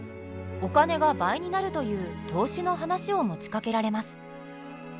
お金が倍になるという投資の話を持ちかけられます。